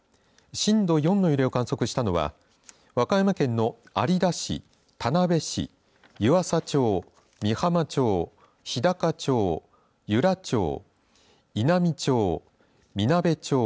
震度４の揺れを観測したのは和歌山県の有田市田辺市、湯浅町御浜町、日高町由良町印南町みなべ町